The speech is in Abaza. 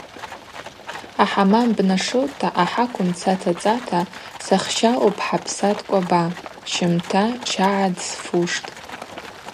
Ахӏамам бнашылта, ахӏакв мца тацӏата, сахща лпхӏапса дкӏваба, щымта чагӏа дсфуштӏ.